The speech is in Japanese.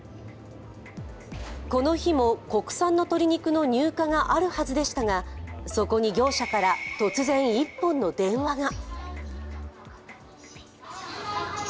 この日も国産の鶏肉の入荷があるはずでしたが、そこに業者から突然１本の電話が。